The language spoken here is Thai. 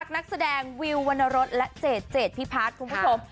รักนักแสดงวิววรรณรถและเจดเจดพี่พัทรคุณผู้ชม